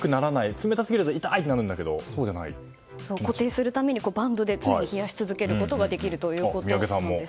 冷たすぎると痛いってなるんだけど固定するためにバンドで常に冷やし続けられるんです。